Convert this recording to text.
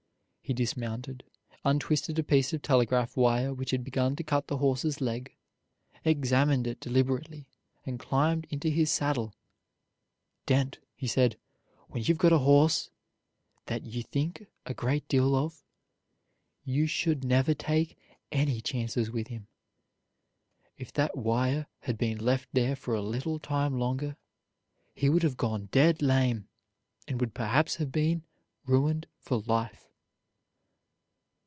He dismounted, untwisted a piece of telegraph wire which had begun to cut the horse's leg, examined it deliberately, and climbed into his saddle. "Dent," said he, "when you've got a horse that you think a great deal of, you should never take any chances with him. If that wire had been left there for a little time longer he would have gone dead lame, and would perhaps have been ruined for life."